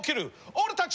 俺たち！